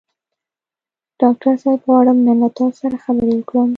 ډاکټر صاحب غواړم نن له تاسو سره خبرې وکړم.